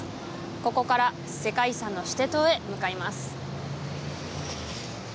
ここから世界遺産のシテ島へ向かいます